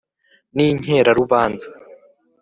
n’ inkerarubanza;